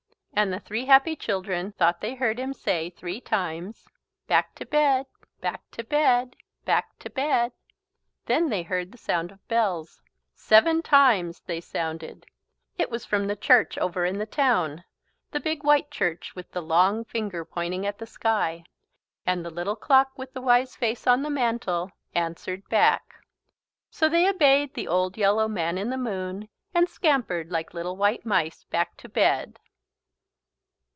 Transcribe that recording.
And the three happy children thought they heard him say three times: "Back to bed, back to bed, back to bed!" Then they heard the sound of bells. Seven times they sounded. It was from the church over in the town, the big white church with the long finger pointing at the sky. And the Little Clock with the Wise Face on the Mantel, answered back. So they obeyed the old yellow Man in the Moon and scampered like little white mice back to bed.